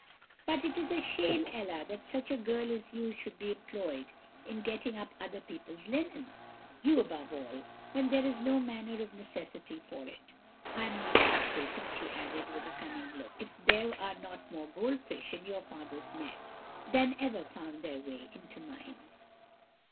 But it is a shame, Ella, that such a girl as you should be employed in getting up other people's linen you above all, when there is no manner of necessity for it. I am much mistaken,' she added, with a cunning look, 'if there are not more gold fish in your father's net than ever found their way into mine.'